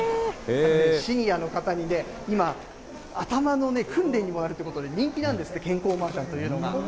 シニアの方に今、頭の訓練にもなるということで人気なんですって、健康マージャンっていうのが。